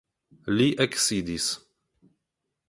Li eksidis.